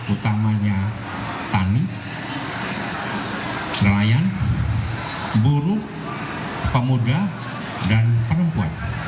utamanya tani nelayan buruh pemuda dan perempuan